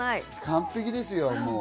完璧です。